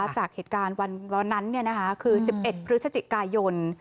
จากเหตุการณ์วันนั้นคือ๑๑พฤศจิกายน